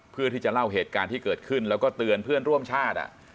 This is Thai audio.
เพื่อที่จะเล่าเหตุการณ์ที่เกิดขึ้นแล้วก็เตือนเพื่อนร่วมชาติ